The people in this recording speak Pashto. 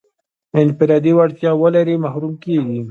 انفرادي وړتیا ولري محروم کېږي.